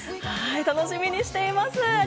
楽しみにしています。